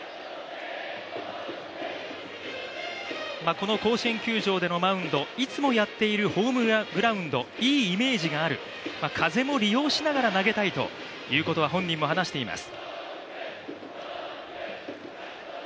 この甲子園球場でのマウンド、いつもやっているホームグラウンドいいイメージがある、風も利用しながら投げたいということは本人も話しています。